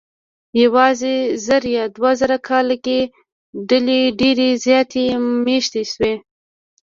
یواځې زر یا دوه زره کاله کې ډلې ډېرې زیاتې مېشتې شوې.